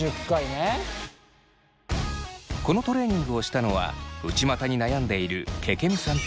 このトレーニングをしたのは内股に悩んでいるけけみさんとレモンさん。